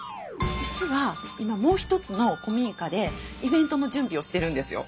実は今もう一つの古民家でイベントの準備をしてるんですよ。